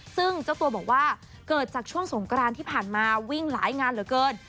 ซึ่งเจ้าตัวบอกว่าเกิดจากช่วงสงกรานที่ผ่านมาวิ่งหลายงานเหลือเกิน